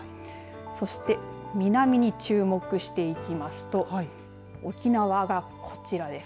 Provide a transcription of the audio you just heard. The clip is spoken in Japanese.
そして、南に注目していきますと沖縄がこちらです。